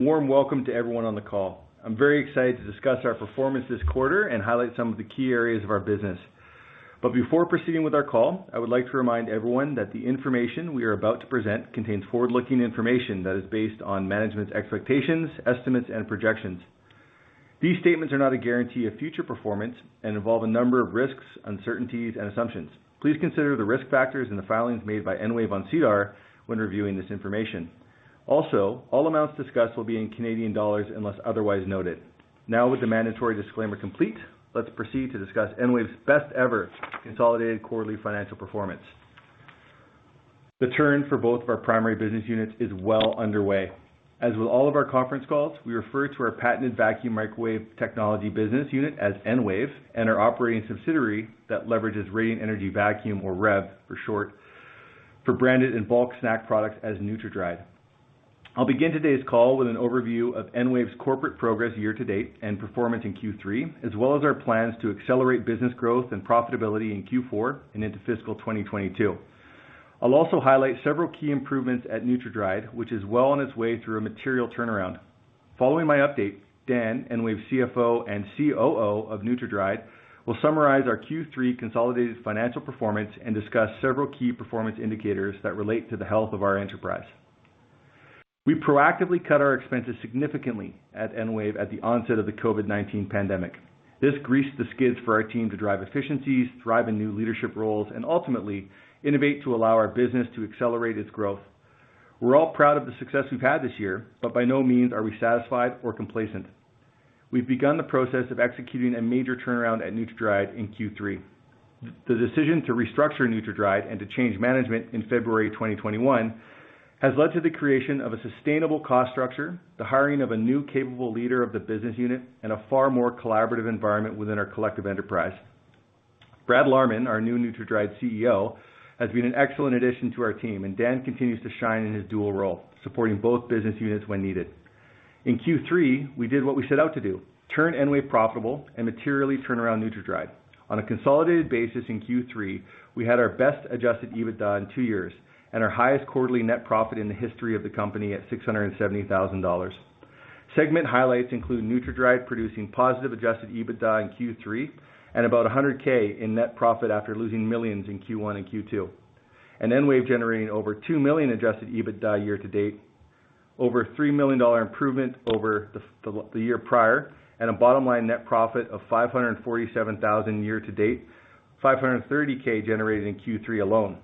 Warm welcome to everyone on the call. I'm very excited to discuss our performance this quarter and highlight some of the key areas of our business. Before proceeding with our call, I would like to remind everyone that the information we are about to present contains forward-looking information that is based on management's expectations, estimates, and projections. These statements are not a guarantee of future performance and involve a number of risks, uncertainties, and assumptions. Please consider the risk factors in the filings made by EnWave on SEDAR when reviewing this information. All amounts discussed will be in Canadian dollars unless otherwise noted. With the mandatory disclaimer complete, let's proceed to discuss EnWave's best-ever consolidated quarterly financial performance. The turn for both of our primary business units is well underway. As with all of our conference calls, we refer to our patented vacuum microwave technology business unit as EnWave and our operating subsidiary that leverages Radiant Energy Vacuum, or REV for short, for branded and bulk snack products as NutraDried. I'll begin today's call with an overview of EnWave's corporate progress year-to-date and performance in Q3, as well as our plans to accelerate business growth and profitability in Q4 and into fiscal 2022. I'll also highlight several key improvements at NutraDried, which is well on its way through a material turnaround. Following my update, Dan, EnWave CFO and COO of NutraDried, will summarize our Q3 consolidated financial performance and discuss several key performance indicators that relate to the health of our enterprise. We proactively cut our expenses significantly at EnWave at the onset of the COVID-19 pandemic. This greased the skids for our team to drive efficiencies, thrive in new leadership roles, and ultimately innovate to allow our business to accelerate its growth. We're all proud of the success we've had this year, but by no means are we satisfied or complacent. We've begun the process of executing a major turnaround at NutraDried in Q3. The decision to restructure NutraDried and to change management in February 2021 has led to the creation of a sustainable cost structure, the hiring of a new capable leader of the business unit, and a far more collaborative environment within our collective enterprise. Brad Lahrman, our new NutraDried CEO, has been an excellent addition to our team, and Dan continues to shine in his dual role, supporting both business units when needed. In Q3, we did what we set out to do, turn EnWave profitable and materially turn around NutraDried. On a consolidated basis in Q3, we had our best adjusted EBITDA in two years and our highest quarterly net profit in the history of the company at 670,000 dollars. Segment highlights include NutraDried producing positive adjusted EBITDA in Q3 and about 100,000 in net profit after losing millions in Q1 and Q2. EnWave generating over two million adjusted EBITDA year-to-date, over a 3 million dollar improvement over the year prior, and a bottom-line net profit of 547,000 year-to-date, 530,000 generated in Q3 alone.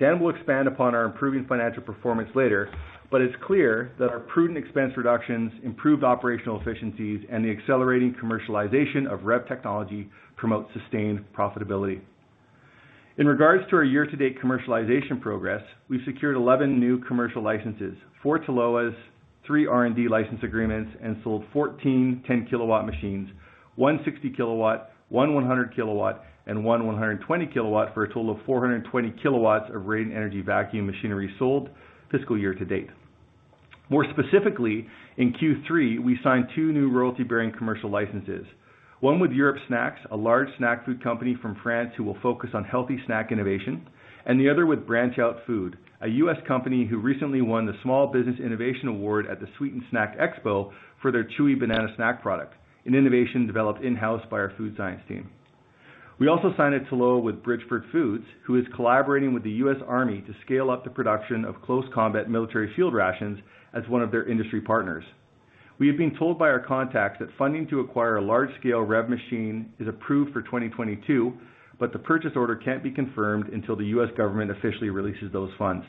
Dan will expand upon our improving financial performance later, but it's clear that our prudent expense reductions, improved operational efficiencies, and the accelerating commercialization of REV technology promote sustained profitability. In regards to our year-to-date commercialization progress, we've secured 11 new commercial licenses, four TLOAs, 3 R&D license agreements, and sold 14 10-kW machines, one 60-kW, one 100-kW, and one 120-kW for a total of 420 kW of Radiant Energy Vacuum machinery sold fiscal year-to-date. More specifically, in Q3, we signed two new royalty-bearing commercial licenses, one with Europe Snacks, a large snack food company from France who will focus on healthy snack innovation, and the other with BranchOut Food, a U.S. company who recently won the Small Business Innovator Award at the Sweets & Snacks Expo for their chewy banana snack product, an innovation developed in-house by our food science team. We also signed a TLOA with Bridgford Foods, who is collaborating with the U.S. Army to scale up the production of close combat military field rations as one of their industry partners. We have been told by our contacts that funding to acquire a large-scale REV machine is approved for 2022, the purchase order can't be confirmed until the U.S. government officially releases those funds.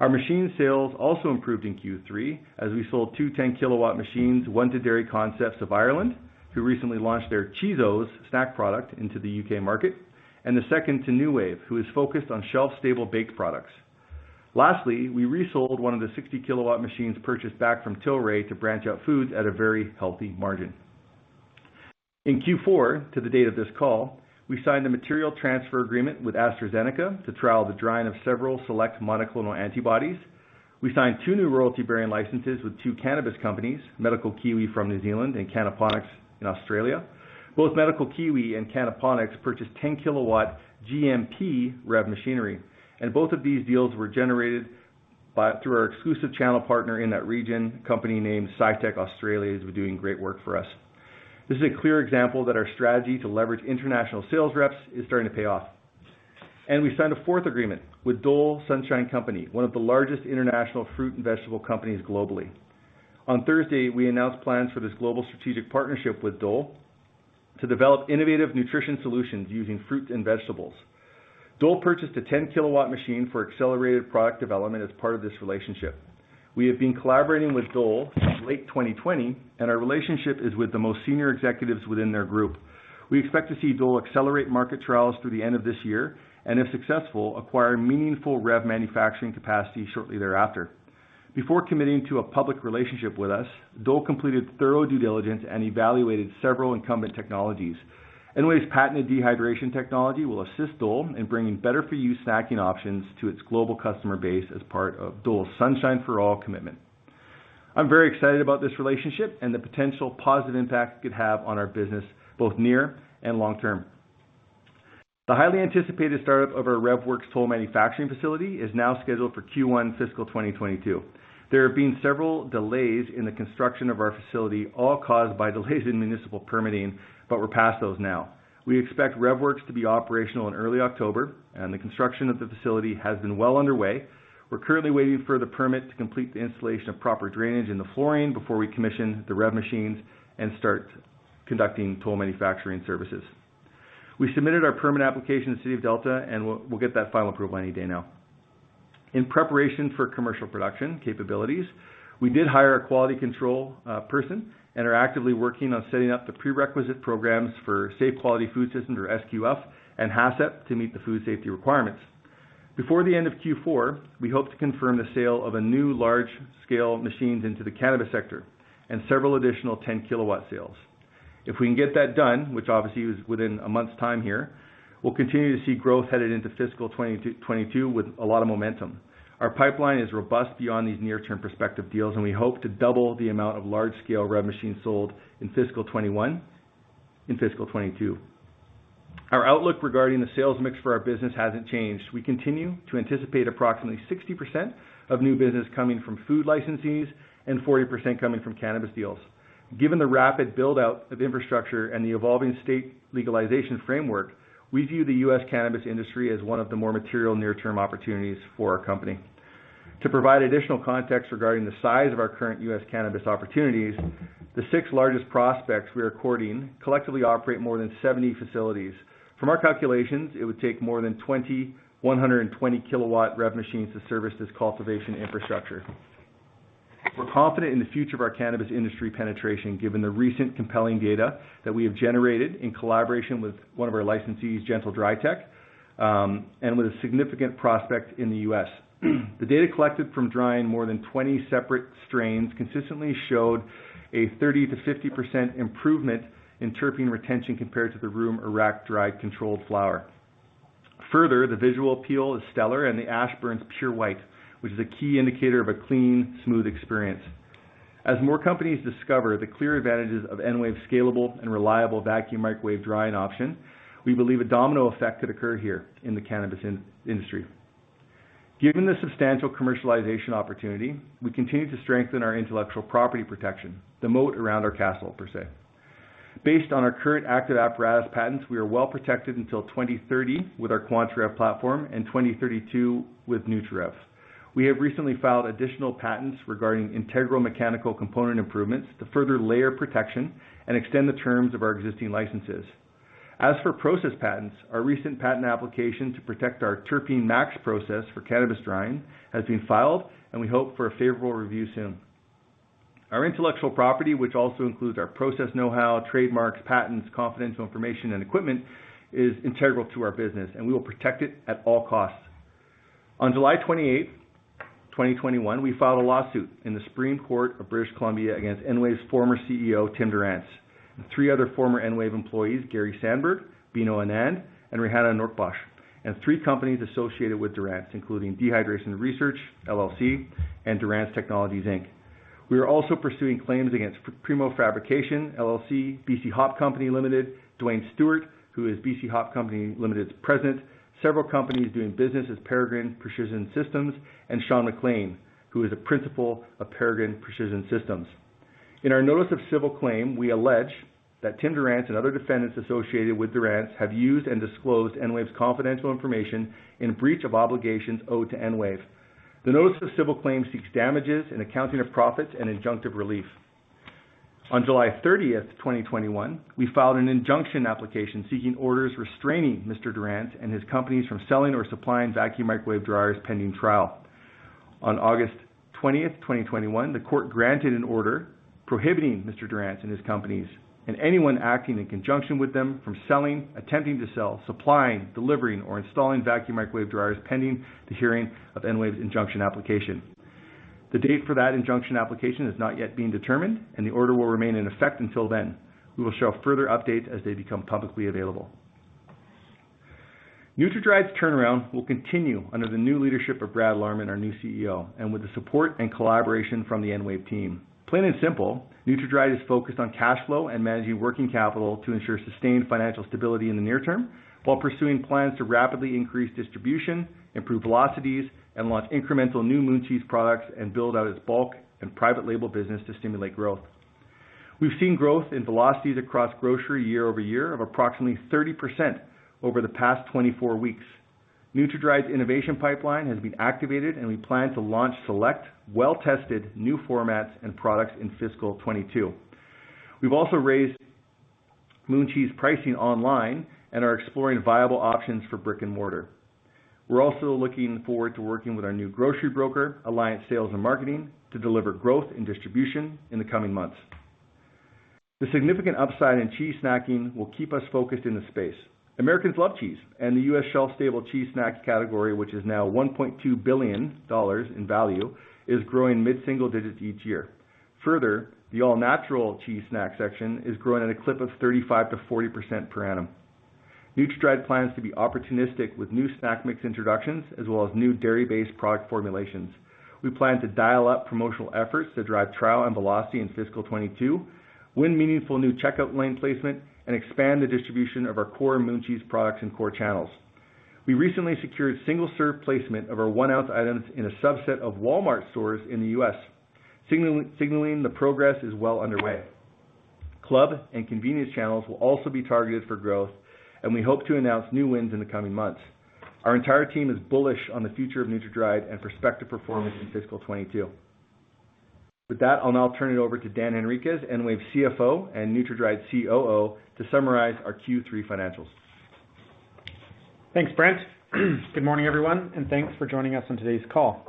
Our machine sales also improved in Q3, as we sold two 10-kW machines, one to Dairy Concepts IRL, who recently launched their CheeseO's snack product into the U.K. market, and the second to NuWave Foods, who is focused on shelf-stable baked products. We resold one of the 60-kW machines purchased back from Tilray to BranchOut Food at a very healthy margin. In Q4, to the date of this call, we signed a material transfer agreement with AstraZeneca to trial the drying of several select monoclonal antibodies. We signed two new royalty-bearing licenses with two cannabis companies, Medical Kiwi from New Zealand and Cannaponics in Australia. Both Medical Kiwi and Cannaponics purchased 10-kW GMP REV machinery. Both of these deals were generated through our exclusive channel partner in that region, a company named Scitech Australia, who's been doing great work for us. This is a clear example that our strategy to leverage international sales reps is starting to pay off. We signed a fourth agreement with Dole Sunshine Company, one of the largest international fruit and vegetable companies globally. On Thursday, we announced plans for this global strategic partnership with Dole to develop innovative nutrition solutions using fruit and vegetables. Dole purchased a 10-kW machine for accelerated product development as part of this relationship. We have been collaborating with Dole since late 2020. Our relationship is with the most senior executives within their group. We expect to see Dole accelerate market trials through the end of this year, and if successful, acquire meaningful REV manufacturing capacity shortly thereafter. Before committing to a public relationship with us, Dole completed thorough due diligence and evaluated several incumbent technologies. EnWave's patented dehydration technology will assist Dole in bringing better-for-you snacking options to its global customer base as part of Dole's Sunshine for All commitment. I'm very excited about this relationship and the potential positive impact it could have on our business, both near and long-term. The highly anticipated startup of our REVworx toll manufacturing facility is now scheduled for Q1 fiscal 2022. There have been several delays in the construction of our facility, all caused by delays in municipal permitting, but we're past those now. We expect REVworx to be operational in early October, and the construction of the facility has been well underway. We're currently waiting for the permit to complete the installation of proper drainage in the flooring before we commission the REV machines and start conducting toll manufacturing services. We submitted our permit application to the City of Delta, and we'll get that final approval any day now. In preparation for commercial production capabilities, we did hire a quality control person and are actively working on setting up the prerequisite programs for Safe Quality Food Systems, or SQF, and HACCP to meet the food safety requirements. Before the end of Q4, we hope to confirm the sale of new large-scale machines into the cannabis sector and several additional 10-kW sales. If we can get that done, which obviously is within a month's time here, we'll continue to see growth headed into fiscal 2022 with a lot of momentum. Our pipeline is robust beyond these near-term prospective deals, and we hope to double the amount of large-scale REV machines sold in fiscal 2021 in fiscal 2022. Our outlook regarding the sales mix for our business hasn't changed. We continue to anticipate approximately 60% of new business coming from food licensees and 40% coming from cannabis deals. Given the rapid build-out of infrastructure and the evolving state legalization framework, we view the U.S. cannabis industry as one of the more material near-term opportunities for our company. To provide additional context regarding the size of our current U.S. cannabis opportunities, the six largest prospects we are courting collectively operate more than 70 facilities. From our calculations, it would take more than 20 120-kW REV machines to service this cultivation infrastructure. We're confident in the future of our cannabis industry penetration given the recent compelling data that we have generated in collaboration with one of our licensees, Gentle Dry Tech, and with a significant prospect in the U.S. The data collected from drying more than 20 separate strains consistently showed a 30%-50% improvement in terpene retention compared to the room or rack-dried controlled flower. Further, the visual appeal is stellar, and the ash burns pure white, which is a key indicator of a clean, smooth experience. As more companies discover the clear advantages of EnWave's scalable and reliable vacuum microwave drying option, we believe a domino effect could occur here in the cannabis industry. Given the substantial commercialization opportunity, we continue to strengthen our intellectual property protection, the moat around our castle, per se. Based on our current active apparatus patents, we are well protected until 2030 with our quantaREV platform and 2032 with nutraREV. We have recently filed additional patents regarding integral mechanical component improvements to further layer protection and extend the terms of our existing licenses. As for process patents, our recent patent application to protect our TerpeneMax process for cannabis drying has been filed, and we hope for a favorable review soon. Our intellectual property, which also includes our process know-how, trademarks, patents, confidential information, and equipment, is integral to our business, and we will protect it at all costs. On July 28, 2021, we filed a lawsuit in the Supreme Court of British Columbia against EnWave's former CEO, Timothy Durance, and three other former EnWave employees, Gary Sandberg, Bino Anand, and Reihaneh Noorbakhsh, and three companies associated with Durance, including Dehydration Research, LLC, and Durance Technologies, Inc. We are also pursuing claims against Primo Fabrication, LLC, BC Hop Company Ltd., Dwayne Stewart, who is BC Hop Company Ltd.'s president, several companies doing business as Peregrine Precision Systems, and Sean McLean, who is a principal of Peregrine Precision Systems. In our notice of civil claim, we allege that Timothy Durance and other defendants associated with Durance have used and disclosed EnWave's confidential information in breach of obligations owed to EnWave. The notice of civil claim seeks damages, an accounting of profits, and injunctive relief. On July 30th, 2021, we filed an injunction application seeking orders restraining Mr. Durance and his companies from selling or supplying vacuum microwave dryers pending trial. On August 20th, 2021, the court granted an order prohibiting Mr. Durance and his companies and anyone acting in conjunction with them from selling, attempting to sell, supplying, delivering, or installing vacuum microwave dryers pending the hearing of EnWave's injunction application. The date for that injunction application has not yet been determined. The order will remain in effect until then. We will share further updates as they become publicly available. NutraDried's turnaround will continue under the new leadership of Brad Lahrman, our new CEO, and with the support and collaboration from the EnWave team. Plain and simple, NutraDried is focused on cash flow and managing working capital to ensure sustained financial stability in the near term while pursuing plans to rapidly increase distribution, improve velocities, and launch incremental new Moon Cheese products and build out its bulk and private label business to stimulate growth. We've seen growth in velocities across grocery year-over-year of approximately 30% over the past 24 weeks. NutraDried's innovation pipeline has been activated, and we plan to launch select, well-tested new formats and products in fiscal 2022. We've also raised Moon Cheese pricing online and are exploring viable options for brick and mortar. We're also looking forward to working with our new grocery broker, Alliance Sales & Marketing, to deliver growth and distribution in the coming months. The significant upside in cheese snacking will keep us focused in the space. Americans love cheese, and the U.S. shelf-stable cheese snacks category, which is now $1.2 billion in value, is growing mid-single digits each year. Further, the all-natural cheese snack section is growing at a clip of 35%-40% per annum. NutraDried plans to be opportunistic with new snack mix introductions as well as new dairy-based product formulations. We plan to dial up promotional efforts to drive trial and velocity in fiscal 2022, win meaningful new checkout lane placement, and expand the distribution of our core Moon Cheese products in core channels. We recently secured single-serve placement of our one-ounce items in a subset of Walmart stores in the U.S., signaling the progress is well underway. Club and convenience channels will also be targeted for growth, and we hope to announce new wins in the coming months. Our entire team is bullish on the future of NutraDried and prospective performance in fiscal 2022. With that, I'll now turn it over to Dan Henriques, EnWave CFO and NutraDried COO, to summarize our Q3 financials. Thanks, Brent. Good morning, everyone, and thanks for joining us on today's call.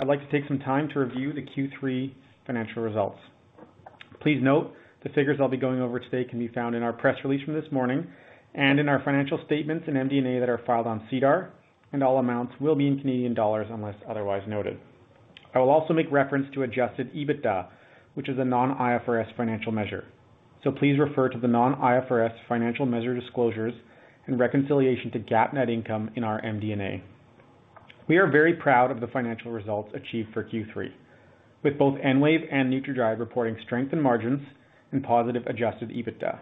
I'd like to take some time to review the Q3 financial results. Please note the figures I'll be going over today can be found in our press release from this morning and in our financial statements and MD&A that are filed on SEDAR, and all amounts will be in Canadian dollars unless otherwise noted. I will also make reference to adjusted EBITDA, which is a non-IFRS financial measure. Please refer to the non-IFRS financial measure disclosures and reconciliation to GAAP net income in our MD&A. We are very proud of the financial results achieved for Q3, with both EnWave and NutraDried reporting strength in margins and positive adjusted EBITDA.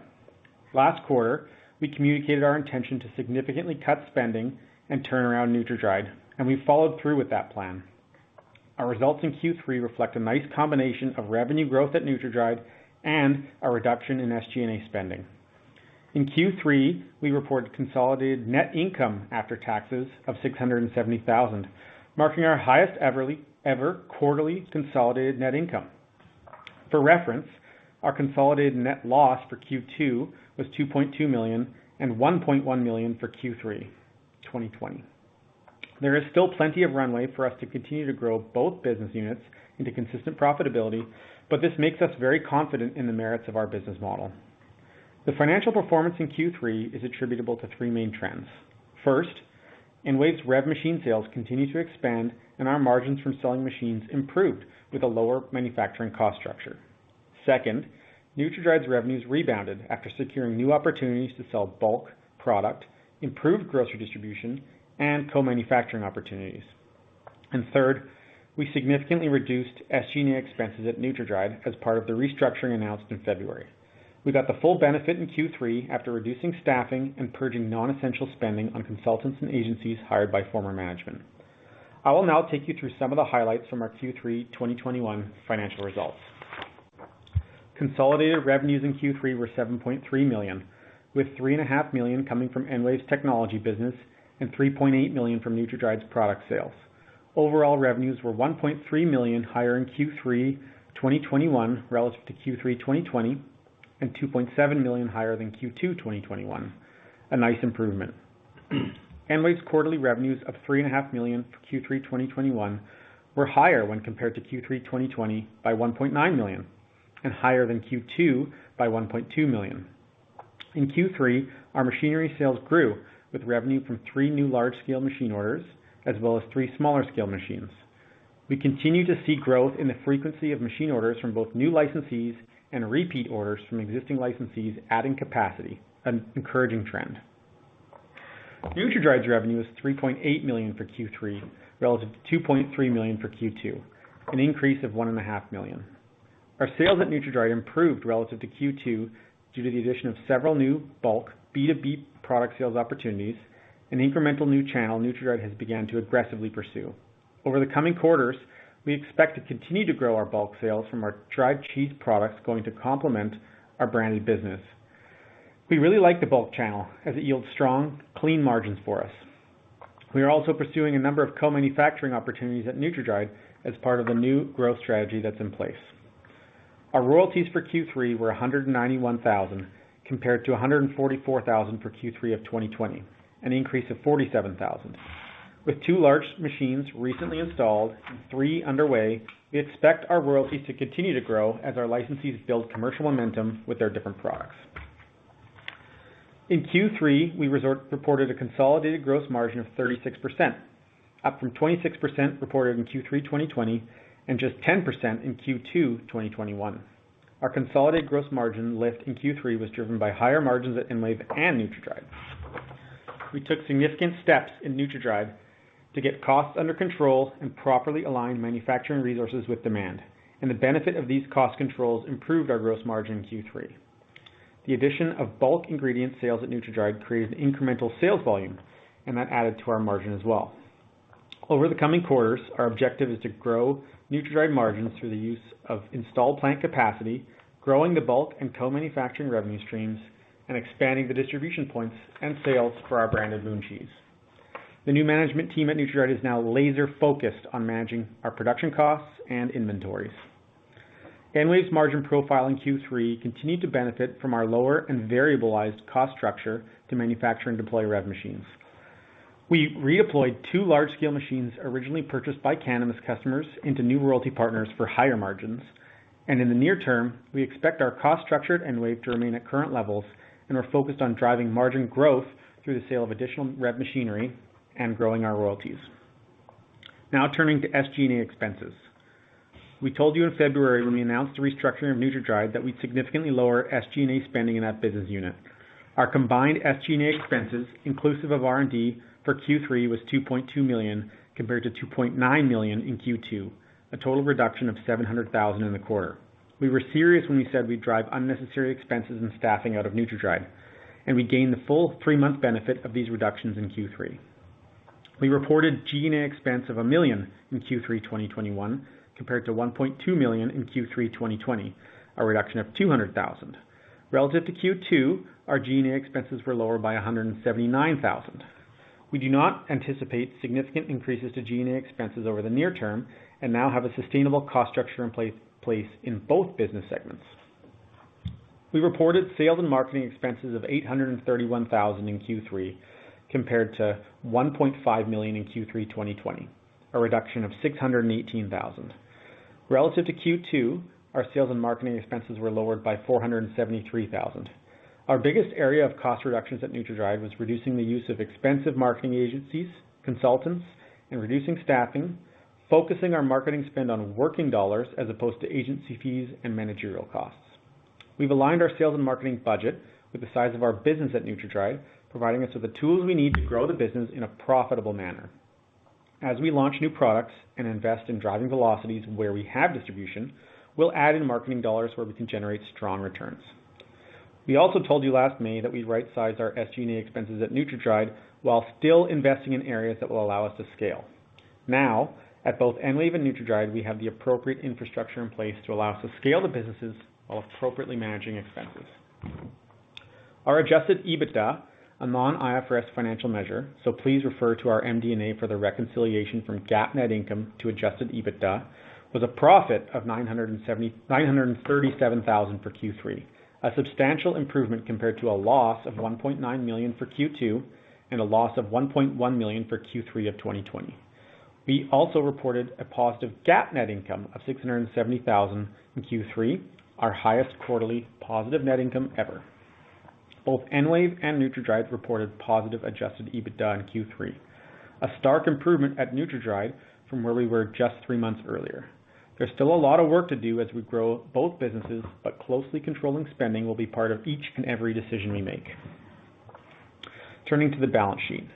Last quarter, we communicated our intention to significantly cut spending and turn around NutraDried, and we followed through with that plan. Our results in Q3 reflect a nice combination of revenue growth at NutraDried and a reduction in SG&A spending. In Q3, we reported consolidated net income after taxes of 670,000, marking our highest-ever quarterly consolidated net income. For reference, our consolidated net loss for Q2 was 2.2 million and 1.1 million for Q3 2020. There is still plenty of runway for us to continue to grow both business units into consistent profitability, but this makes us very confident in the merits of our business model. The financial performance in Q3 is attributable to three main trends. First, EnWave's REV machine sales continue to expand, and our margins from selling machines improved with a lower manufacturing cost structure. Second, NutraDried's revenues rebounded after securing new opportunities to sell bulk product, improved grocery distribution, and co-manufacturing opportunities. Third, we significantly reduced SG&A expenses at NutraDried as part of the restructuring announced in February. We got the full benefit in Q3 after reducing staffing and purging non-essential spending on consultants and agencies hired by former management. I will now take you through some of the highlights from our Q3 2021 financial results. Consolidated revenues in Q3 were 7.3 million, with 3.5 million coming from EnWave's technology business and 3.8 million from NutraDried's product sales. Overall revenues were 1.3 million higher in Q3 2021 relative to Q3 2020 and 2.7 million higher than Q2 2021. A nice improvement. EnWave's quarterly revenues of 3.5 million for Q3 2021 were higher when compared to Q3 2020 by 1.9 million and higher than Q2 by 1.2 million. In Q3, our machinery sales grew with revenue from three new large-scale machine orders as well as three smaller-scale machines. We continue to see growth in the frequency of machine orders from both new licensees and repeat orders from existing licensees adding capacity, an encouraging trend. NutraDried's revenue was 3.8 million for Q3 relative to 2.3 million for Q2, an increase of 1.5 million. Our sales at NutraDried improved relative to Q2 due to the addition of several new bulk B2B product sales opportunities, an incremental new channel NutraDried has begun to aggressively pursue. Over the coming quarters, we expect to continue to grow our bulk sales from our dried cheese products going to complement our branded business. We really like the bulk channel as it yields strong, clean margins for us. We are also pursuing a number of co-manufacturing opportunities at NutraDried as part of the new growth strategy that's in place. Our royalties for Q3 were 191,000, compared to 144,000 for Q3 of 2020, an increase of 47,000. With two large machines recently installed and three underway, we expect our royalties to continue to grow as our licensees build commercial momentum with their different products. In Q3, we reported a consolidated gross margin of 36%, up from 26% reported in Q3 2020 and just 10% in Q2 2021. Our consolidated gross margin lift in Q3 was driven by higher margins at EnWave and NutraDried. We took significant steps in NutraDried to get costs under control and properly align manufacturing resources with demand. The benefit of these cost controls improved our gross margin in Q3. The addition of bulk ingredient sales at NutraDried created incremental sales volume. That added to our margin as well. Over the coming quarters, our objective is to grow NutraDried margins through the use of installed plant capacity, growing the bulk and co-manufacturing revenue streams, and expanding the distribution points and sales for our branded Moon Cheese. The new management team at NutraDried is now laser-focused on managing our production costs and inventories. EnWave's margin profile in Q3 continued to benefit from our lower and variabilized cost structure to manufacture and deploy REV machines. We redeployed two large-scale machines originally purchased by cannabis customers into new royalty partners for higher margins. In the near term, we expect our cost structure at EnWave to remain at current levels and are focused on driving margin growth through the sale of additional REV machinery and growing our royalties. Now turning to SG&A expenses. We told you in February when we announced the restructuring of NutraDried that we'd significantly lower SG&A spending in that business unit. Our combined SG&A expenses, inclusive of R&D for Q3, was 2.2 million compared to 2.9 million in Q2, a total reduction of 700,000 in the quarter. We were serious when we said we'd drive unnecessary expenses and staffing out of NutraDried, and we gained the full three-month benefit of these reductions in Q3. We reported G&A expense of 1 million in Q3 2021, compared to 1.2 million in Q3 2020, a reduction of 200,000. Relative to Q2, our G&A expenses were lower by 179,000. We do not anticipate significant increases to G&A expenses over the near term and now have a sustainable cost structure in place in both business segments. We reported sales and marketing expenses of 831,000 in Q3, compared to 1.5 million in Q3 2020, a reduction of 618,000. Relative to Q2, our sales and marketing expenses were lowered by 473,000. Our biggest area of cost reductions at NutraDried was reducing the use of expensive marketing agencies, consultants, and reducing staffing, focusing our marketing spend on working dollars as opposed to agency fees and managerial costs. We've aligned our sales and marketing budget with the size of our business at NutraDried, providing us with the tools we need to grow the business in a profitable manner. As we launch new products and invest in driving velocities where we have distribution, we'll add in marketing dollars where we can generate strong returns. We also told you last May that we'd right-size our SG&A expenses at NutraDried while still investing in areas that will allow us to scale. At both EnWave and NutraDried, we have the appropriate infrastructure in place to allow us to scale the businesses while appropriately managing expenses. Our adjusted EBITDA, a non-IFRS financial measure, please refer to our MD&A for the reconciliation from GAAP net income to adjusted EBITDA, was a profit of 937,000 for Q3, a substantial improvement compared to a loss of 1.9 million for Q2 and a loss of 1.1 million for Q3 of 2020. We also reported a positive GAAP net income of 670,000 in Q3, our highest quarterly positive net income ever. Both EnWave and NutraDried reported positive adjusted EBITDA in Q3, a stark improvement at NutraDried from where we were just three months earlier. There's still a lot of work to do as we grow both businesses, closely controlling spending will be part of each and every decision we make. Turning to the balance sheet.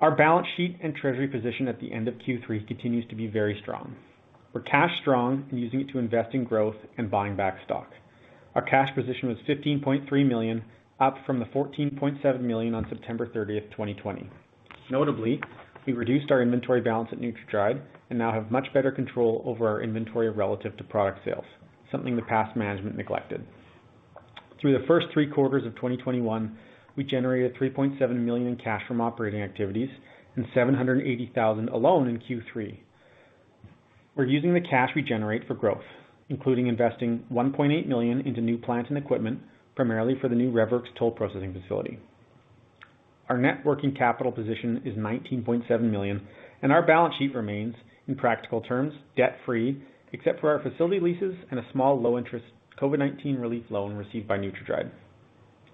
Our balance sheet and treasury position at the end of Q3 continues to be very strong. We're cash strong and using it to invest in growth and buying back stock. Our cash position was 15.3 million, up from the 14.7 million on September 30th, 2020. Notably, we reduced our inventory balance at NutraDried and now have much better control over our inventory relative to product sales, something the past management neglected. Through the first three quarters of 2021, we generated 3.7 million in cash from operating activities and 780,000 alone in Q3. We're using the cash we generate for growth, including investing 1.8 million into new plant and equipment, primarily for the new REVworx toll processing facility. Our net working capital position is 19.7 million, our balance sheet remains, in practical terms, debt-free, except for our facility leases and a small low-interest COVID-19 relief loan received by NutraDried.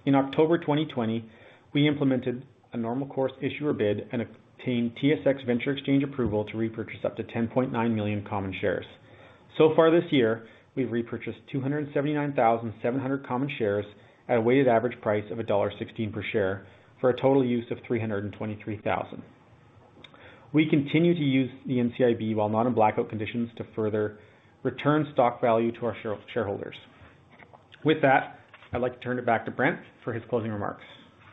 In October 2020, we implemented a Normal Course Issuer Bid and obtained TSX Venture Exchange approval to repurchase up to 10.9 million common shares. Far this year, we've repurchased 279,700 common shares at a weighted average price of dollar 1.16 per share for a total use of 323,000. We continue to use the NCIB while not in blackout conditions to further return stock value to our shareholders. With that, I'd like to turn it back to Brent for his closing remarks.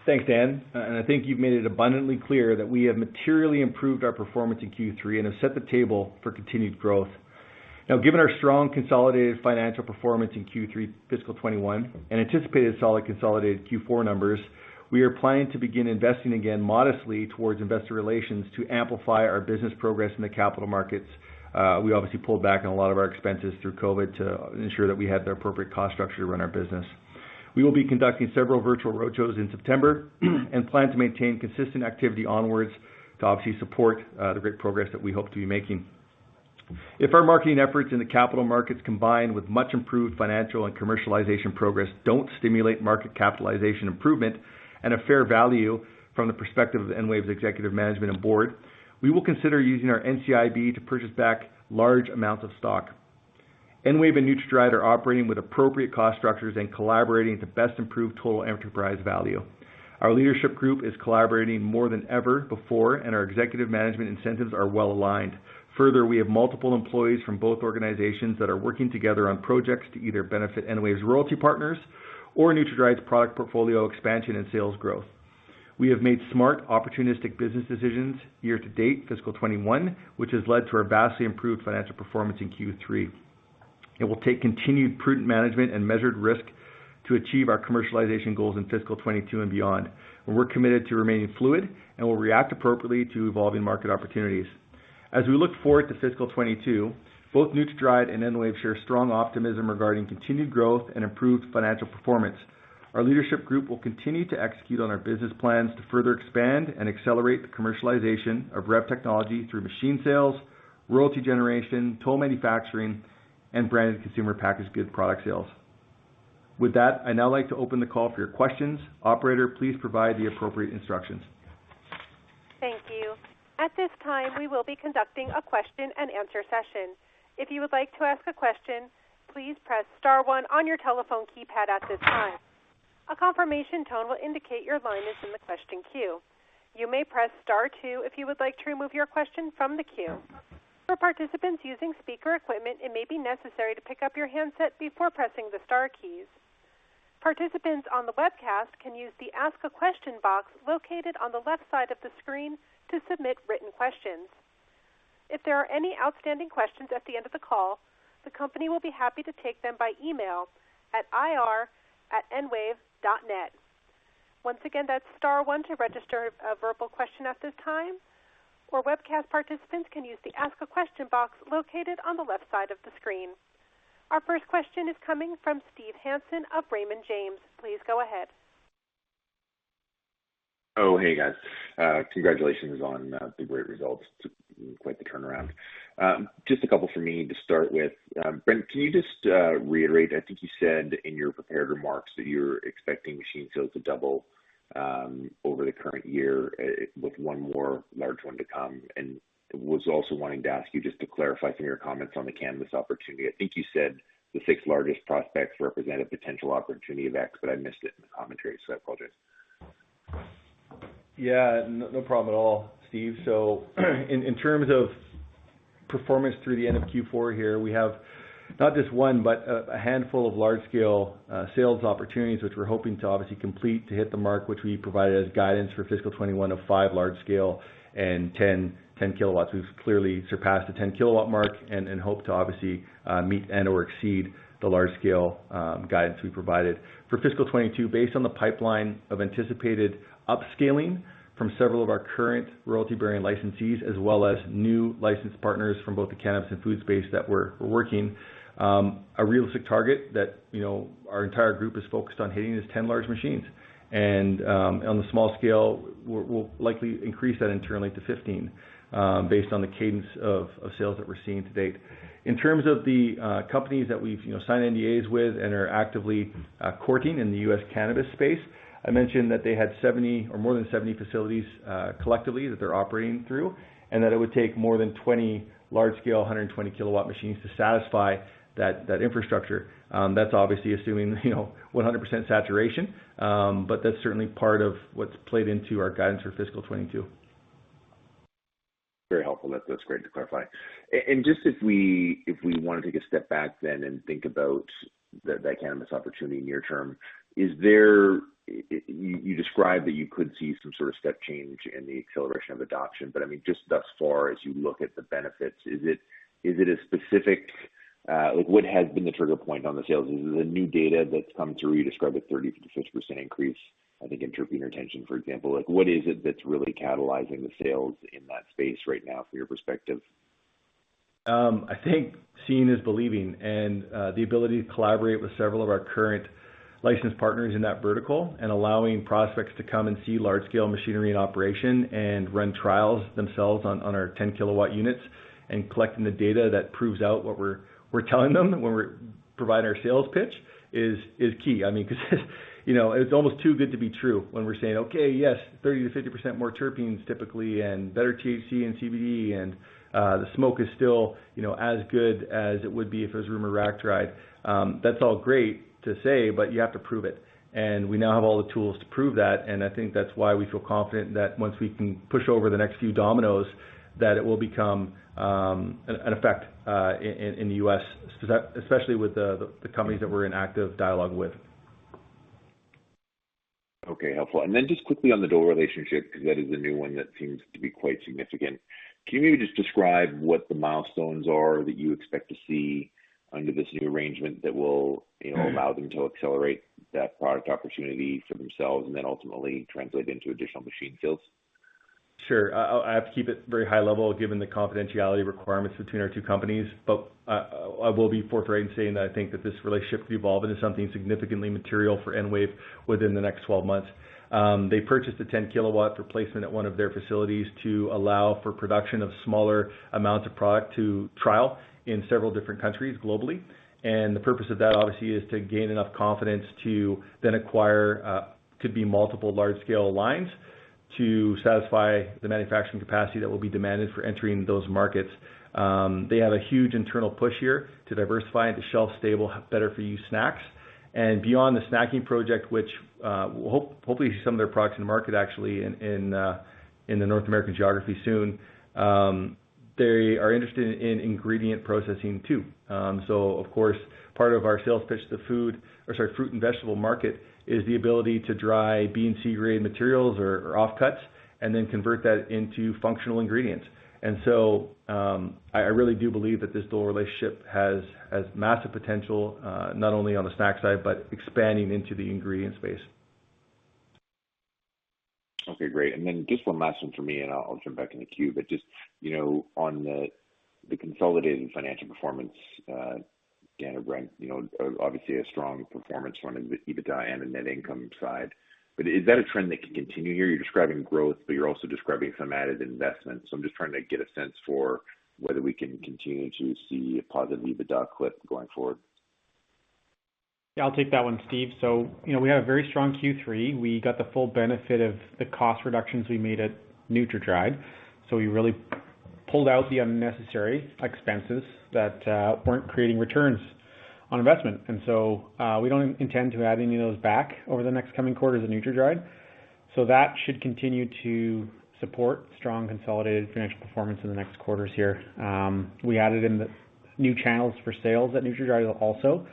Thanks, Dan. I think you've made it abundantly clear that we have materially improved our performance in Q3 and have set the table for continued growth. Given our strong consolidated financial performance in Q3 fiscal 2021 and anticipated solid consolidated Q4 numbers, we are planning to begin investing again modestly towards investor relations to amplify our business progress in the capital markets. We obviously pulled back on a lot of our expenses through COVID to ensure that we had the appropriate cost structure to run our business. We will be conducting several virtual roadshows in September and plan to maintain consistent activity onwards to obviously support the great progress that we hope to be making. If our marketing efforts in the capital markets, combined with much improved financial and commercialization progress, don't stimulate market capitalization improvement and a fair value from the perspective of EnWave's executive management and board, we will consider using our NCIB to purchase back large amounts of stock. EnWave and NutraDried are operating with appropriate cost structures and collaborating to best improve total enterprise value. Our leadership group is collaborating more than ever before, and our executive management incentives are well-aligned. Further, we have multiple employees from both organizations that are working together on projects to either benefit EnWave's royalty partners or NutraDried's product portfolio expansion and sales growth. We have made smart, opportunistic business decisions year to date fiscal 2021, which has led to our vastly improved financial performance in Q3. It will take continued prudent management and measured risk to achieve our commercialization goals in fiscal 2022 and beyond. We're committed to remaining fluid and will react appropriately to evolving market opportunities. As we look forward to fiscal 2022, both NutraDried and EnWave share strong optimism regarding continued growth and improved financial performance. Our leadership group will continue to execute on our business plans to further expand and accelerate the commercialization of REV technology through machine sales, royalty generation, toll manufacturing, and branded consumer packaged goods product sales. With that, I'd now like to open the call for your questions. Operator, please provide the appropriate instructions. Thank you. At this time, we will be conducting a question-and-answer session. If you would like to ask a question, please press star one on your telephone keypad at this time. A confirmation tone will indicate your line is in the question queue. You may press star two if you would like to remove your question from the queue. For participants using speaker equipment, it may be necessary to pick up your handset before pressing the star keys. Participants on the webcast can use the Ask a Question box located on the left side of the screen to submit written questions. If there are any outstanding questions at the end of the call, the company will be happy to take them by email at ir@enwave.net. Once again, that's star one to register a verbal question at this time, or webcast participants can use the Ask a Question box located on the left side of the screen. Our first question is coming from Steve Hansen of Raymond James. Please go ahead. Oh, hey guys. Congratulations on the great results. Quite the turnaround. Just a couple from me to start with. Brent Charleton, can you just reiterate, I think you said in your prepared remarks that you're expecting machine sales to double over the current year, with one more large one to come. Was also wanting to ask you just to clarify some of your comments on the cannabis opportunity. I think you said the sixth-largest prospects represent a potential opportunity of X, but I missed it in the commentary, so I apologize. Yeah. No problem at all, Steve. In terms of performance through the end of Q4 here, we have not just one, but a handful of large-scale sales opportunities, which we're hoping to obviously complete to hit the mark, which we provided as guidance for fiscal 2021 of five large-scale and 10 kW. We've clearly surpassed the 10 kW mark and hope to obviously meet and/or exceed the large-scale guidance we provided. For fiscal 2022, based on the pipeline of anticipated upscaling from several of our current royalty-bearing licensees, as well as new licensed partners from both the cannabis and food space that we're working, a realistic target that our entire group is focused on hitting is 10 large machines. On the small scale, we'll likely increase that internally to 15, based on the cadence of sales that we're seeing to date. In terms of the companies that we've signed NDAs with and are actively courting in the U.S. cannabis space, I mentioned that they had 70 or more than 70 facilities, collectively, that they're operating through. It would take more than 20 large scale 120 kW machines to satisfy that infrastructure. That's obviously assuming 100% saturation. That's certainly part of what's played into our guidance for fiscal 2022. Very helpful. That's great to clarify. Just if we want to take a step back then and think about the cannabis opportunity near term. You described that you could see some sort of step change in the acceleration of adoption, I mean, just thus far as you look at the benefits, what has been the trigger point on the sales? Is it the new data that's come through, you described a 30%-50% increase, I think in terpene retention, for example? What is it that's really catalyzing the sales in that space right now from your perspective? I think seeing is believing, and the ability to collaborate with several of our current licensed partners in that vertical and allowing prospects to come and see large-scale machinery in operation and run trials themselves on our 10 kW units and collecting the data that proves out what we're telling them when we provide our sales pitch is key. I mean, because it's almost too good to be true when we're saying, "Okay, yes, 30%-50% more terpenes typically, and better THC and CBD and the smoke is still as good as it would be if it was room or rack dried." That's all great to say, but you have to prove it, and we now have all the tools to prove that, and I think that's why we feel confident that once we can push over the next few dominoes, that it will become an effect in the U.S., especially with the companies that we're in active dialogue with. Okay. Helpful. Just quickly on the Dole relationship, because that is a new one that seems to be quite significant. Can you just describe what the milestones are that you expect to see under this new arrangement that will allow them to accelerate that product opportunity for themselves and then ultimately translate into additional machine sales? Sure. I have to keep it very high level given the confidentiality requirements between our two companies. I will be forthright in saying that I think that this relationship could evolve into something significantly material for EnWave within the next 12 months. They purchased a 10 kW replacement at one of their facilities to allow for production of smaller amounts of product to trial in several different countries globally. The purpose of that obviously is to gain enough confidence to then acquire, could be multiple large-scale lines to satisfy the manufacturing capacity that will be demanded for entering those markets. They have a huge internal push here to diversify into shelf-stable, better-for-you snacks. Beyond the snacking project, which we hope to see some of their products in the market actually in the North American geography soon, they are interested in ingredient processing too. Of course, part of our sales pitch to fruit and vegetable market is the ability to dry C-grade materials or offcuts and then convert that into functional ingredients. I really do believe that this Dole relationship has massive potential, not only on the snack side, but expanding into the ingredient space. Okay, great. Just one last one for me, and I'll jump back in the queue. Just on the consolidated financial performance, Dan or Brent, obviously a strong performance from the EBITDA and the net income side. Is that a trend that can continue here? You're describing growth, but you're also describing some added investments. I'm just trying to get a sense for whether we can continue to see a positive EBITDA clip going forward. Yeah, I'll take that one, Steve. We had a very strong Q3. We got the full benefit of the cost reductions we made at NutraDried. We pulled out the unnecessary expenses that weren't creating returns on investment. We don't intend to add any of those back over the next coming quarters at NutraDried. That should continue to support strong consolidated financial performance in the next quarters here. We added in the new channels for sales at NutraDried also.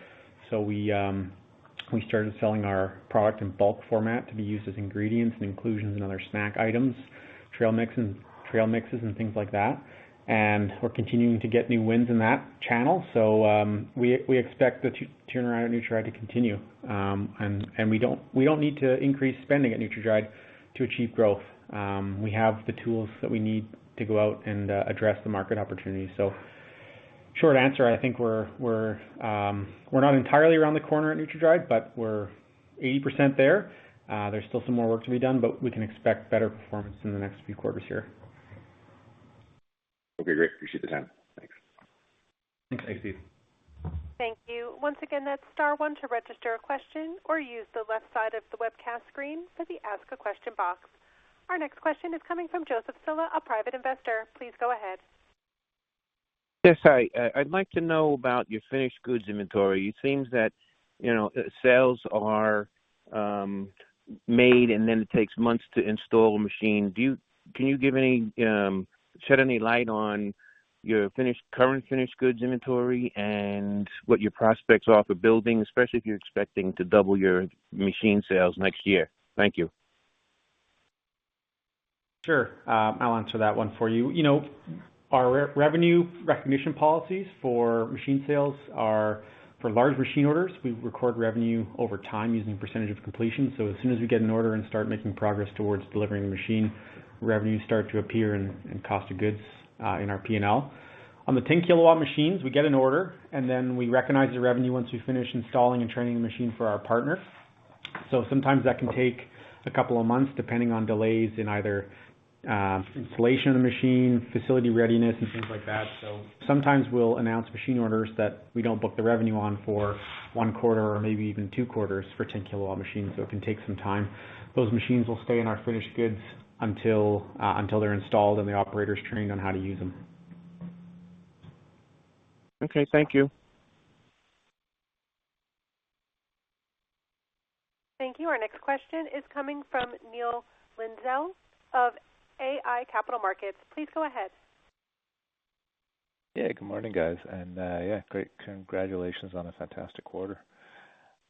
We started selling our product in bulk format to be used as ingredients and inclusions in other snack items, trail mixes, and things like that. We're continuing to get new wins in that channel. We expect the turnaround at NutraDried to continue. We don't need to increase spending at NutraDried to achieve growth. We have the tools that we need to go out and address the market opportunity. Short answer, I think we're not entirely around the corner at NutraDried, but we're 80% there. There's still some more work to be done, but we can expect better performance in the next few quarters here. Okay, great. Appreciate the time. Thanks. Thanks, Steve. Thank you. Once again, that's star one to register a question or use the left side of the webcast screen for the ask a question box. Our next question is coming from Joseph Silla, a private investor. Please go ahead. Yes. Hi. I'd like to know about your finished goods inventory. It seems that sales are made and then it takes months to install a machine. Can you shed any light on your current finished goods inventory and what your prospects are for building, especially if you're expecting to double your machine sales next year? Thank you. Sure. I'll answer that one for you. Our revenue recognition policies for machine sales are for large machine orders. We record revenue over time using percentage of completion. As soon as we get an order and start making progress towards delivering the machine, revenues start to appear in cost of goods in our P&L. On the 10 kW machines, we get an order, we recognize the revenue once we finish installing and training the machine for our partner. Sometimes that can take a couple of months depending on delays in either installation of the machine, facility readiness and things like that. Sometimes we'll announce machine orders that we don't book the revenue on for one quarter or maybe even two quarters for 10 kW machines. It can take some time. Those machines will stay in our finished goods until they're installed and the operator's trained on how to use them. Okay. Thank you. Thank you. Our next question is coming from Neil Linsdell of iA Capital Markets. Please go ahead. Good morning, guys. Great. Congratulations on a fantastic quarter.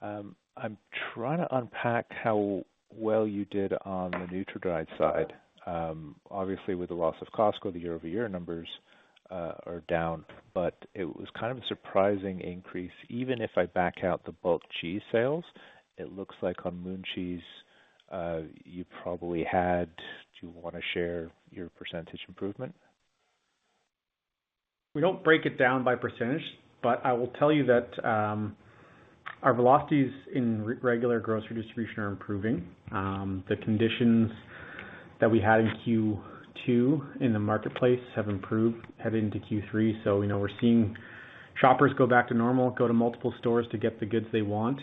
I'm trying to unpack how well you did on the NutraDried side. Obviously, with the loss of Costco, the year-over-year numbers are down, but it was kind of a surprising increase. Even if I back out the bulk cheese sales, it looks like on Moon Cheese, do you want to share your percentage improvement? We don't break it down by percentage, but I will tell you that our velocities in regular grocery distribution are improving. The conditions that we had in Q2 in the marketplace have improved heading into Q3. We're seeing shoppers go back to normal, go to multiple stores to get the goods they want.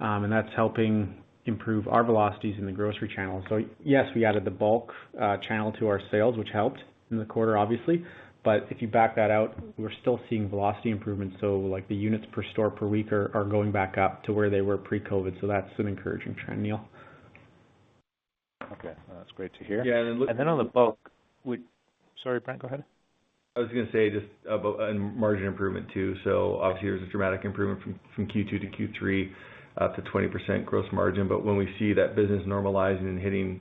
That's helping improve our velocities in the grocery channel. Yes, we added the bulk channel to our sales, which helped in the quarter, obviously. If you back that out, we're still seeing velocity improvements, so like the units per store per week are going back up to where they were pre-COVID. That's an encouraging trend, Neil. Okay. That's great to hear. Yeah. On the bulk, Sorry, Brent, go ahead. I was going to say just about margin improvement too. Obviously there was a dramatic improvement from Q2 to Q3, up to 20% gross margin. When we see that business normalizing and hitting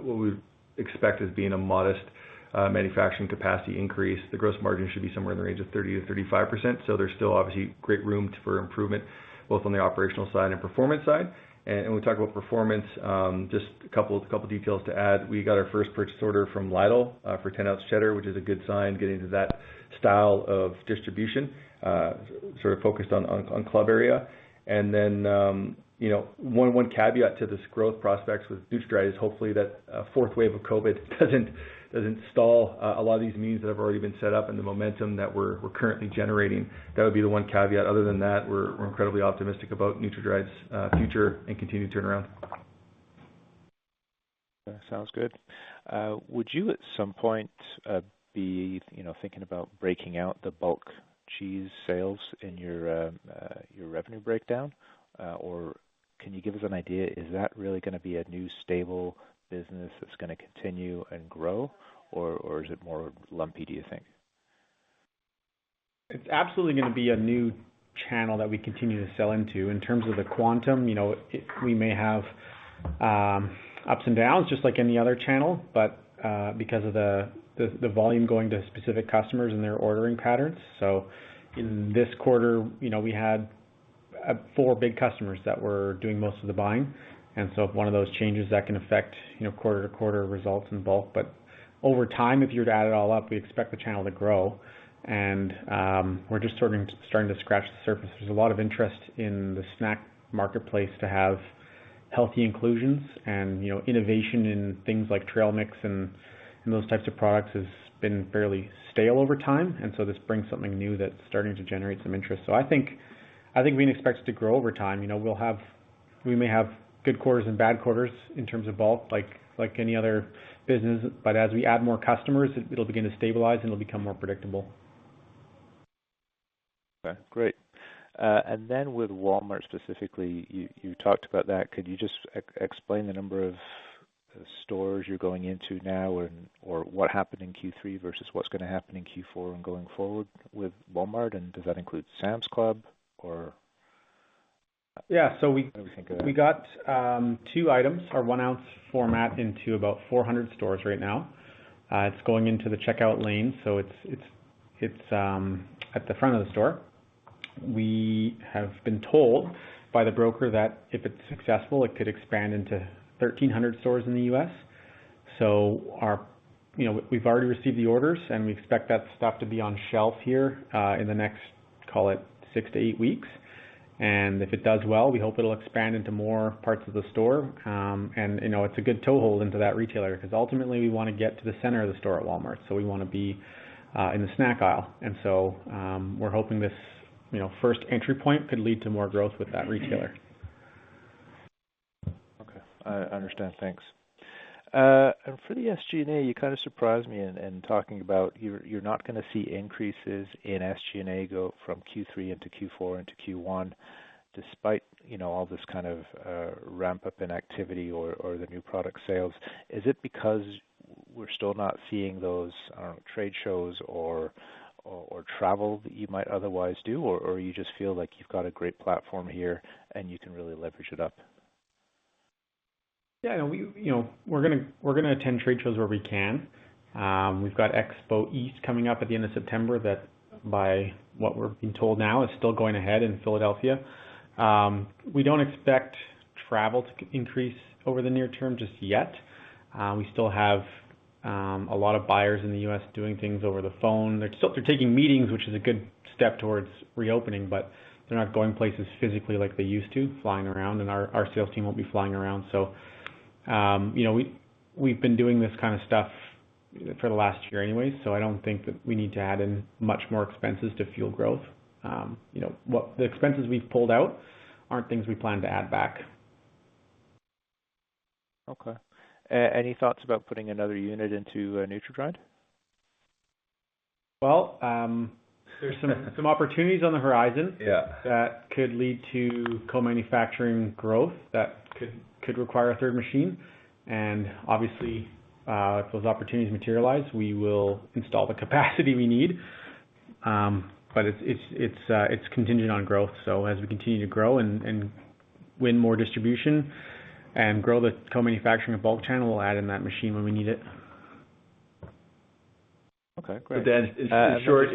what we expect as being a modest manufacturing capacity increase, the gross margin should be somewhere in the range of 30%-35%. There's still obviously great room for improvement both on the operational side and performance side. When we talk about performance, just a couple of details to add. We got our first purchase order from Lidl for 10-ounce cheddar, which is a good sign getting into that style of distribution, sort of focused on club area. One caveat to this growth prospects with NutraDried is hopefully that fourth wave of COVID doesn't stall a lot of these meetings that have already been set up and the momentum that we're currently generating. That would be the one caveat. Other than that, we're incredibly optimistic about NutraDried's future and continued turnaround. Sounds good. Would you at some point be thinking about breaking out the bulk cheese sales in your revenue breakdown? Or can you give us an idea, is that really going to be a new stable business that's going to continue and grow? Or is it more lumpy, do you think? It's absolutely going to be a new channel that we continue to sell into. In terms of the quantum, we may have ups and downs just like any other channel, but because of the volume going to specific customers and their ordering patterns. In this quarter, we had four big customers that were doing most of the buying. If one of those changes, that can affect quarter to quarter results in bulk. Over time, if you were to add it all up, we expect the channel to grow and we're just starting to scratch the surface. There's a lot of interest in the snack marketplace to have healthy inclusions and innovation in things like trail mix and those types of products has been fairly stale over time. This brings something new that's starting to generate some interest. I think we can expect it to grow over time. We may have good quarters and bad quarters in terms of bulk, like any other business. As we add more customers, it'll begin to stabilize, and it'll become more predictable. Okay, great. Then with Walmart specifically, you talked about that. Could you just explain the number of stores you're going into now, or what happened in Q3 versus what's going to happen in Q4 and going forward with Walmart? Does that include Sam's Club, or Yeah. What do we think of that? We got two items, our 1-ounce format into about 400 stores right now. It's going into the checkout lane, so it's at the front of the store. We have been told by the broker that if it's successful, it could expand into 1,300 stores in the U.S. We've already received the orders, and we expect that stuff to be on shelf here, in the next, call it six to eight weeks. If it does well, we hope it'll expand into more parts of the store. It's a good toehold into that retailer because ultimately we want to get to the center of the store at Walmart. We want to be in the snack aisle. We're hoping this first entry point could lead to more growth with that retailer. Okay. I understand, thanks. For the SG&A, you kind of surprised me in talking about you're not going to see increases in SG&A go from Q3 into Q4 into Q1 despite all this kind of ramp-up in activity or the new product sales. Is it because we're still not seeing those trade shows or travel that you might otherwise do, or you just feel like you've got a great platform here and you can really leverage it up? Yeah. We're going to attend trade shows where we can. We've got Expo East coming up at the end of September that by what we're being told now is still going ahead in Philadelphia. We don't expect travel to increase over the near term just yet. We still have a lot of buyers in the U.S. doing things over the phone. They're taking meetings, which is a good step towards reopening, but they're not going places physically like they used to, flying around, and our sales team won't be flying around. We've been doing this kind of stuff for the last year anyways, so I don't think that we need to add in much more expenses to fuel growth. The expenses we've pulled out aren't things we plan to add back. Okay. Any thoughts about putting another unit into NutraDried? Well, there's some opportunities on the horizon. Yeah That could lead to co-manufacturing growth that could require a third machine. Obviously, if those opportunities materialize, we will install the capacity we need. It's contingent on growth. As we continue to grow and win more distribution and grow the co-manufacturing and bulk channel, we'll add in that machine when we need it. Okay. Great. In short,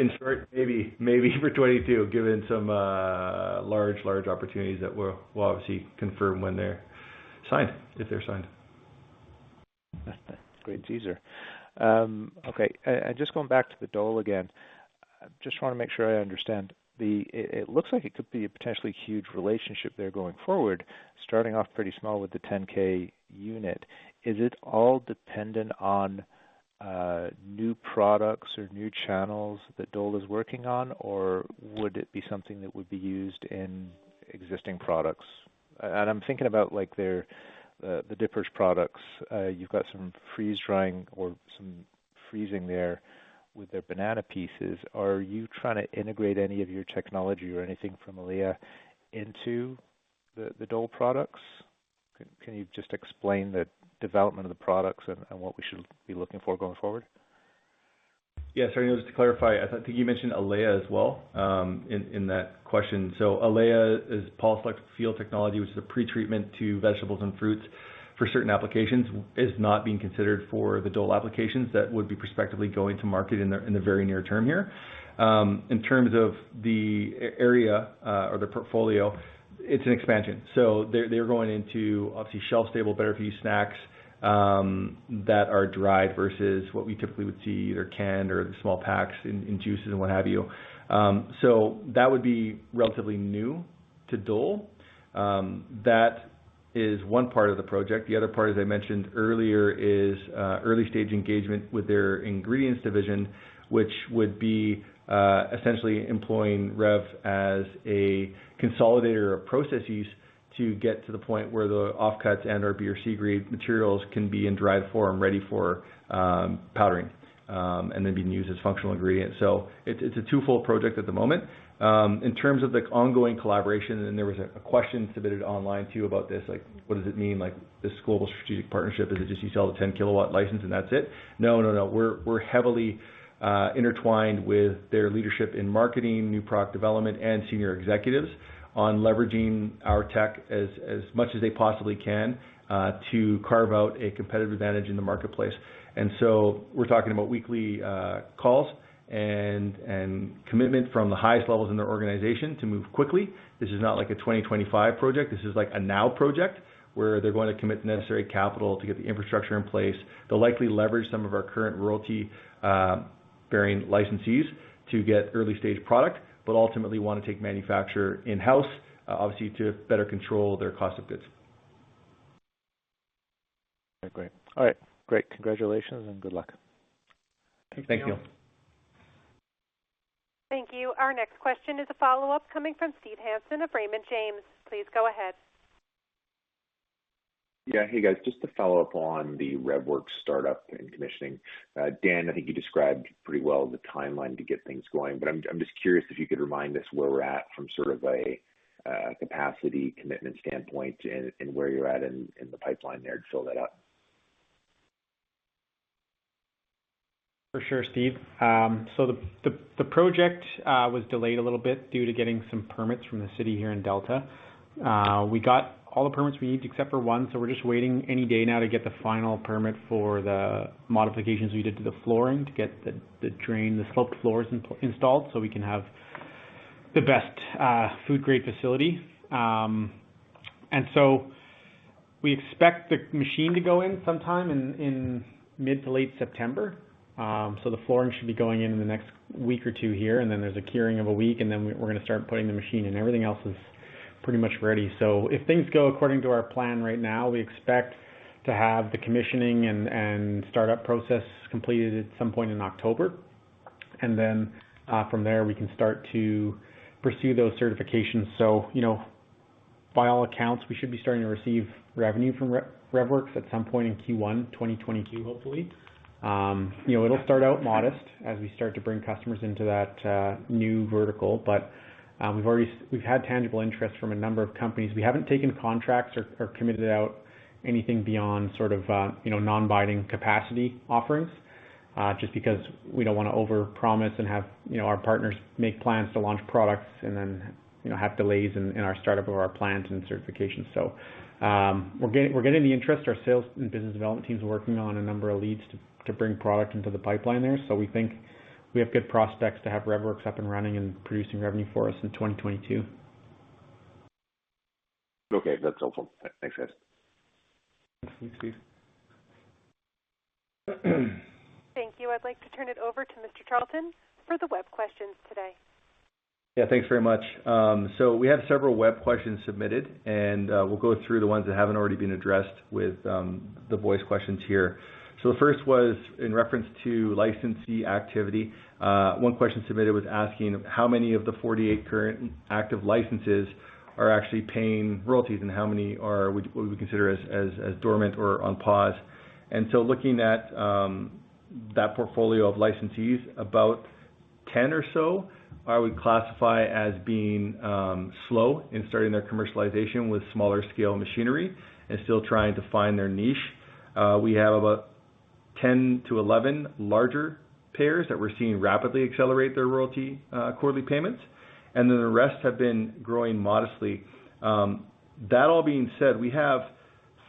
maybe for 2022, given some large opportunities that we'll obviously confirm when they're signed, if they're signed. Great teaser. Okay. Just going back to the Dole again, just want to make sure I understand. It looks like it could be a potentially huge relationship there going forward, starting off pretty small with the 10K unit. Is it all dependent on new products or new channels that Dole is working on, or would it be something that would be used in existing products? I'm thinking about their Dippers products. You've got some freeze-drying or some freezing there with their banana pieces. Are you trying to integrate any of your technology or anything from Elea into the Dole products? Can you just explain the development of the products and what we should be looking for going forward? Yeah, sorry, just to clarify, I think you mentioned Elea as well in that question. Elea is pulsed electric field technology, which is a pretreatment to vegetables and fruits for certain applications. It's not being considered for the Dole applications that would be prospectively going to market in the very near term here. In terms of the area, or the portfolio, it's an expansion. They're going into, obviously, shelf-stable, better-for-you snacks that are dried versus what we typically would see, either canned or the small packs in juices and what have you. That would be relatively new to Dole. That is one part of the project. The other part, as I mentioned earlier, is early-stage engagement with their ingredients division, which would be essentially employing REV as a consolidator of processes to get to the point where the offcuts and/or B or C grade materials can be in dried form, ready for powdering, and then being used as functional ingredients. It's a twofold project at the moment. In terms of the ongoing collaboration, there was a question submitted online too about this, like what does it mean, this global strategic partnership? Is it just you sell the 10 kW license and that's it? No, no. We're heavily intertwined with their leadership in marketing, new product development, and senior executives on leveraging our tech as much as they possibly can, to carve out a competitive advantage in the marketplace. We're talking about weekly calls and commitment from the highest levels in their organization to move quickly. This is not like a 2025 project. This is like a now project, where they're going to commit the necessary capital to get the infrastructure in place. They'll likely leverage some of our current royalty-bearing licensees to get early-stage product. Ultimately want to take manufacture in-house, obviously to better control their cost of goods. Okay, great. All right, great. Congratulations and good luck. Thank you. Thank you. Our next question is a follow-up coming from Steve Hansen of Raymond James. Please go ahead. Yeah. Hey, guys. Just to follow up on the REVworx startup and commissioning. Dan, I think you described pretty well the timeline to get things going, but I'm just curious if you could remind us where we're at from sort of a capacity commitment standpoint and where you're at in the pipeline there to fill that out. For sure, Steve. The project was delayed a little bit due to getting some permits from the city here in Delta. We got all the permits we need except for one, so we're just waiting any day now to get the final permit for the modifications we did to the flooring to get the sloped floors installed so we can have the best food-grade facility. We expect the machine to go in sometime in mid to late September. The flooring should be going in in the next week or two here, and then there's a curing of a week, and then we're going to start putting the machine in. Everything else is pretty much ready. If things go according to our plan right now, we expect to have the commissioning and startup process completed at some point in October. From there, we can start to pursue those certifications. By all accounts, we should be starting to receive revenue from REVworx at some point in Q1 2022, hopefully. It'll start out modest as we start to bring customers into that new vertical. We've had tangible interest from a number of companies. We haven't taken contracts or committed out anything beyond sort of non-binding capacity offerings, just because we don't want to overpromise and have our partners make plans to launch products and then have delays in our startup of our plants and certifications. We're getting the interest. Our sales and business development teams are working on a number of leads to bring product into the pipeline there. We think we have good prospects to have REVworx up and running and producing revenue for us in 2022. Okay, that's helpful. Thanks, guys. Thanks, Steve. Thank you. I'd like to turn it over to Mr. Charleton for the web questions today. Thanks very much. We have several web questions submitted, and we'll go through the ones that haven't already been addressed with the voice questions here. The first was in reference to licensee activity. One question submitted was asking how many of the 48 current active licenses are actually paying royalties and how many are what we consider as dormant or on pause. Looking at that portfolio of licensees, about 10 or so I would classify as being slow in starting their commercialization with smaller scale machinery and still trying to find their niche. We have about 10-11 larger payers that we're seeing rapidly accelerate their royalty quarterly payments, then the rest have been growing modestly. That all being said, we have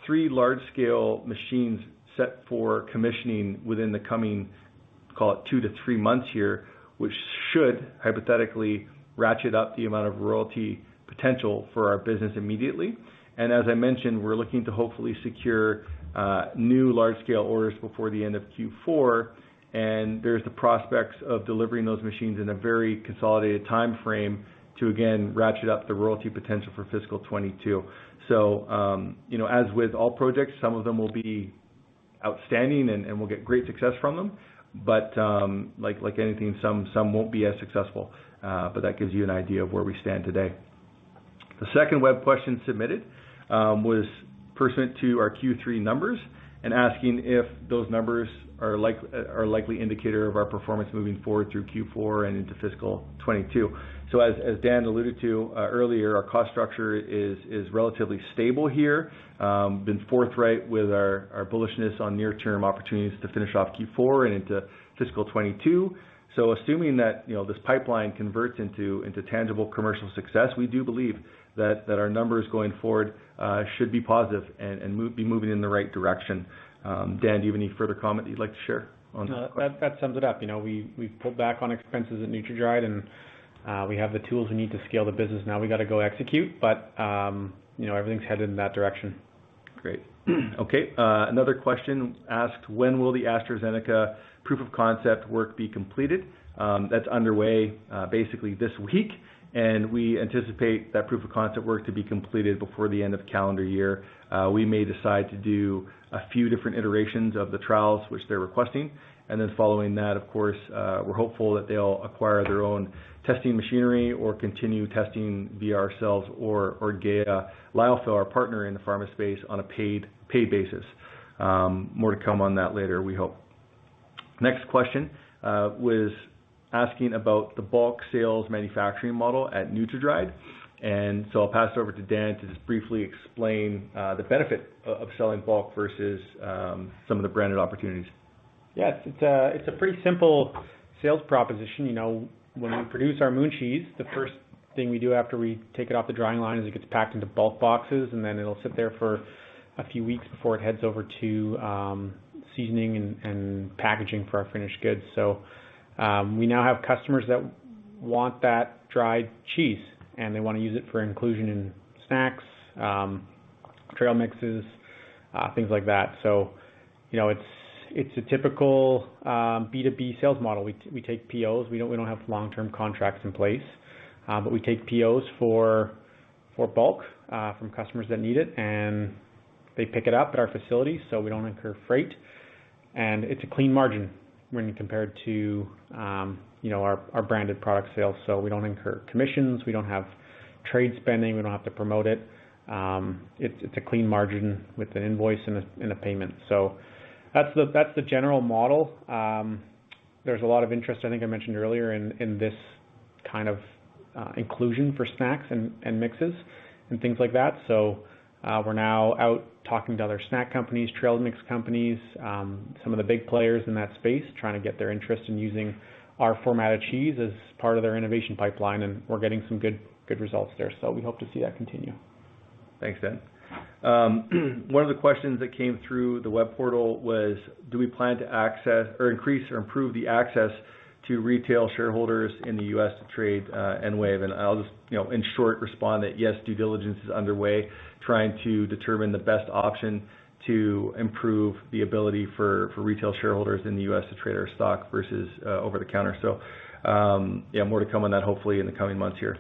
three large-scale machines set for commissioning within the coming, call it two to three months here, which should hypothetically ratchet up the amount of royalty potential for our business immediately. As I mentioned, we're looking to hopefully secure new large-scale orders before the end of Q4, and there's the prospects of delivering those machines in a very consolidated timeframe to again, ratchet up the royalty potential for fiscal 2022. As with all projects, some of them will be outstanding and we'll get great success from them. Like anything, some won't be as successful. That gives you an idea of where we stand today. The second web question submitted was pursuant to our Q3 numbers and asking if those numbers are a likely indicator of our performance moving forward through Q4 and into fiscal 2022. As Dan alluded to earlier, our cost structure is relatively stable here. Been forthright with our bullishness on near-term opportunities to finish off Q4 and into fiscal 2022. Assuming that this pipeline converts into tangible commercial success, we do believe that our numbers going forward should be positive and be moving in the right direction. Dan, do you have any further comment that you'd like to share on that question? That sums it up. We've pulled back on expenses at NutraDried, and we have the tools we need to scale the business. We got to go execute, but everything's headed in that direction. Great. Okay. Another question asked, when will the AstraZeneca proof of concept work be completed? That's underway basically this week. We anticipate that proof of concept work to be completed before the end of calendar year. We may decide to do a few different iterations of the trials which they're requesting. Then following that, of course, we're hopeful that they'll acquire their own testing machinery or continue testing via ourselves or GEA Lyophil, our partner in the pharma space, on a paid basis. More to come on that later, we hope. Next question was asking about the bulk sales manufacturing model at NutraDried. So I'll pass it over to Dan to just briefly explain the benefit of selling bulk versus some of the branded opportunities. Yes. It's a pretty simple sales proposition. When we produce our Moon Cheese, the first thing we do after we take it off the drying line is it gets packed into bulk boxes, and then it'll sit there for a few weeks before it heads over to seasoning and packaging for our finished goods. We now have customers that want that dried cheese, and they want to use it for inclusion in snacks, trail mixes, things like that. It's a typical B2B sales model. We take POs. We don't have long-term contracts in place, but we take POs for bulk from customers that need it, and they pick it up at our facility, so we don't incur freight. It's a clean margin when compared to our branded product sales. We don't incur commissions, we don't have trade spending, we don't have to promote it. It's a clean margin with an invoice and a payment. That's the general model. There's a lot of interest, I think I mentioned earlier, in this kind of inclusion for snacks and mixes and things like that. We're now out talking to other snack companies, trail mix companies, some of the big players in that space, trying to get their interest in using our formatted cheese as part of their innovation pipeline, and we're getting some good results there. We hope to see that continue. Thanks, Dan. One of the questions that came through the web portal was, do we plan to increase or improve the access to retail shareholders in the U.S. to trade EnWave? I'll just in short respond that yes, due diligence is underway, trying to determine the best option to improve the ability for retail shareholders in the U.S. to trade our stock versus over the counter. More to come on that hopefully in the coming months here.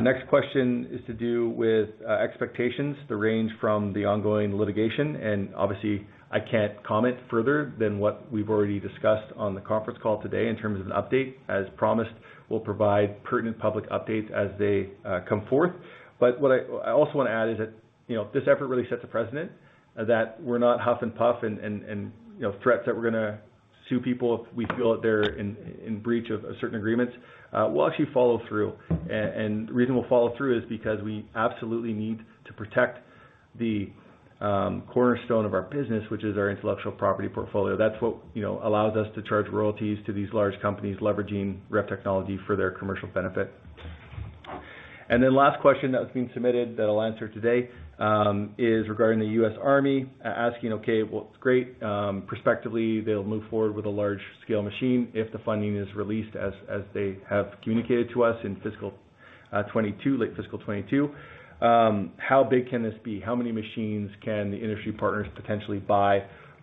Next question is to do with expectations, the range from the ongoing litigation, obviously I can't comment further than what we've already discussed on the conference call today in terms of an update. As promised, we'll provide pertinent public updates as they come forth. What I also want to add is that this effort really sets a precedent that we're not huff and puff and threats that we're going to sue people if we feel that they're in breach of certain agreements. We'll actually follow through, and the reason we'll follow through is because we absolutely need to protect the cornerstone of our business, which is our intellectual property portfolio. That's what allows us to charge royalties to these large companies leveraging REV technology for their commercial benefit. Last question that was being submitted that I'll answer today is regarding the U.S. Army asking, okay, well, great. Prospectively, they'll move forward with a large-scale machine if the funding is released, as they have communicated to us in late fiscal 2022. How big can this be? How many machines can the industry partners potentially buy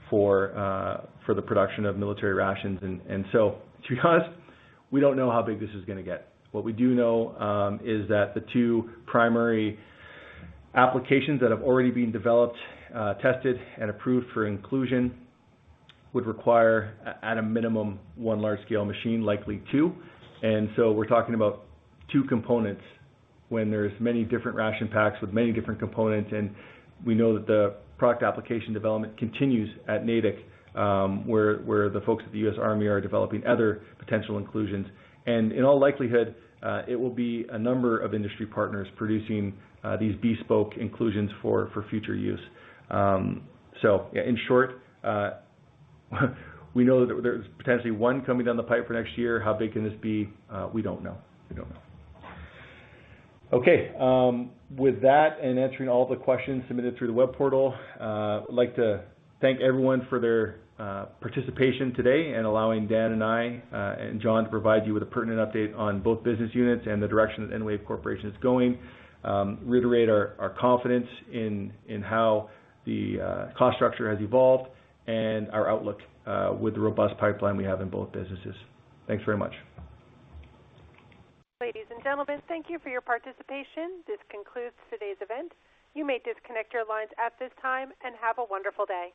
for the production of military rations? Because we don't know how big this is going to get. What we do know is that the two primary applications that have already been developed, tested, and approved for inclusion would require, at a minimum, one large-scale machine, likely two. We're talking about two components when there's many different ration packs with many different components. We know that the product application development continues at Natick, where the folks at the U.S. Army are developing other potential inclusions. In all likelihood, it will be a number of industry partners producing these bespoke inclusions for future use. In short, we know that there's potentially one coming down the pipe for next year. How big can this be? We don't know. Okay. With that and answering all the questions submitted through the web portal, I'd like to thank everyone for their participation today and allowing Dan and I and John to provide you with a pertinent update on both business units and the direction that EnWave Corporation is going. I reiterate our confidence in how the cost structure has evolved and our outlook with the robust pipeline we have in both businesses. Thanks very much. Ladies and gentlemen, thank you for your participation. This concludes today's event. You may disconnect your lines at this time, and have a wonderful day.